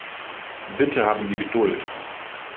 Bitte haben Sie Geduld.